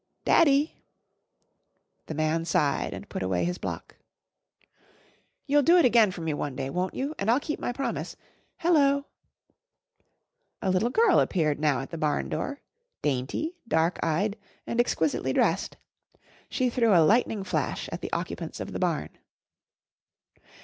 "Daddy!" The man sighed and put away his block. "You'll do it again for me one day, won't you, and I'll keep my promise. Hello!" A little girl appeared now at the barn door, dainty, dark eyed and exquisitely dressed. She threw a lightning flash at the occupants of the barn.